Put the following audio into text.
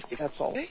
えっ？